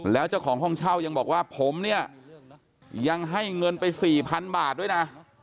แล้วเจ้าของห้องเช่ายังบอกว่าผมเนี่ยยังให้เงินไป๔๐๐๐บาทด้วยนะ